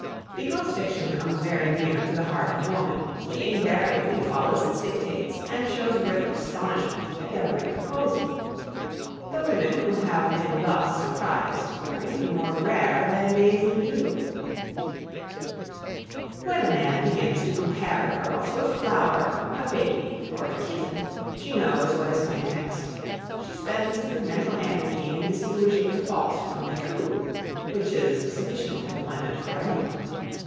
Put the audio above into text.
Because fiction comes very near to the heart of woman, she invariably follows its dictates and shows great astonishment at every proposal. The women who have been thus surprised are even more rare than days in June. [Sidenote: The False and the True] When a man begins to compare a girl to a flower, a baby, or a kitten, she knows what is coming next. She spends her mental energy in distinguishing the false from the true which is sufficient employment for anyone.